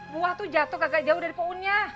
buah tuh jatuh agak jauh dari pohonnya